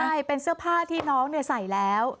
ใช่เป็นเสื้อผ้าที่น้องใส่แล้ว